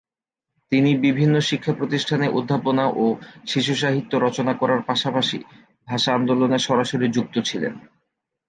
তিনি বিভিন্ন শিক্ষা প্রতিষ্ঠানে অধ্যাপনা ও শিশু সাহিত্য রচনা করার পাশাপাশি ভাষা আন্দোলনে সরাসরি যুক্ত ছিলেন।